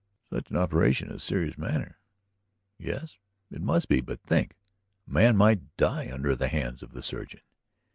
"Such an operation is a serious matter?" "Yes. It must be. But think ..." "A man might die under the hands of the surgeon?"